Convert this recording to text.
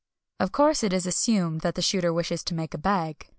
Of course, it is assumed that the shooter wishes to make a bag.